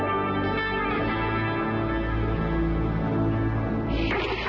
พระบริสุทธิ์ที่คุณ